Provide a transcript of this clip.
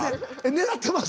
狙ってます。